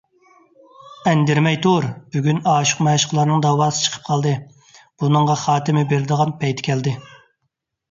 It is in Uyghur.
ئەندىرىمەي تۇر! بۈگۈن ئاشىق - مەشۇقلارنىڭ دەۋاسى چىقىپ قالدى، بۇنىڭغا خاتىمە بېرىدىغان پەيتى كەلدى.